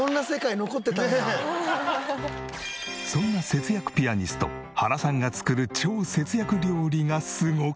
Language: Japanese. そんな節約ピアニスト原さんが作る超節約料理がすごかった！